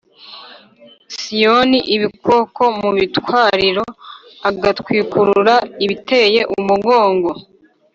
Siyoni ibikoko mu bitwariro agatwikurura ibiteye umugongo